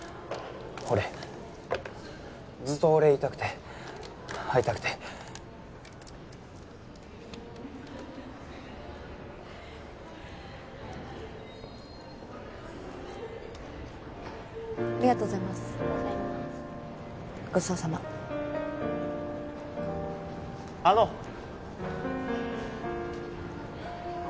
俺ずっとお礼言いたくて会いたくてありがとうございます・ありがとうございますごちそうさまあのっ